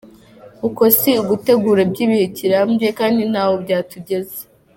Uko si ugutegura by’igihe kirambye kandi ntaho byatugeza.